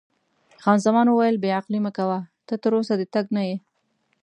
خان زمان وویل: بې عقلي مه کوه، ته تراوسه د تګ نه یې.